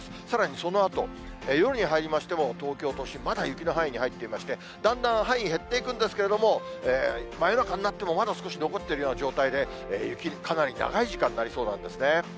さらにそのあと、夜に入りましても、東京都心、まだ雪の範囲に入っていまして、だんだん範囲、減っていくんですけれども、真夜中になってもまだ少し残っているような状態で、雪かなり長い時間、なりそうなんですね。